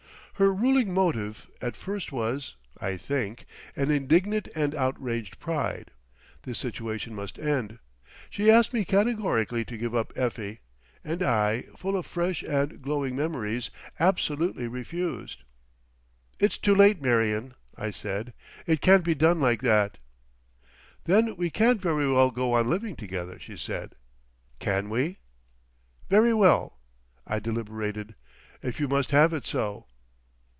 Her ruling motive at first was, I think, an indignant and outraged pride. This situation must end. She asked me categorically to give up Effie, and I, full of fresh and glowing memories, absolutely refused. "It's too late, Marion," I said. "It can't be done like that." "Then we can't very well go on living together," she said. "Can we?" "Very well," I deliberated "if you must have it so."